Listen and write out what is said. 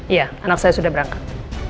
iya anak saya sudah berangkat